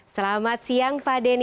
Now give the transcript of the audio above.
selamat siang pak deni